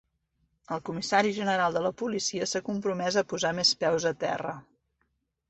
El comissari general de la policia s'ha compromès a posar més peus a terra.